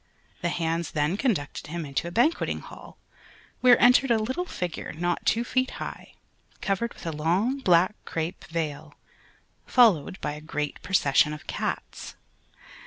The hands then conducted him into a banqueting hall, where entered a little figure, not two feet high, covered with a long black crepe veil, followed by a great procession of cats.